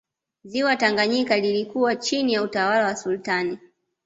Ziwa tanganyika lilikuwa chini ya utawala wa sultani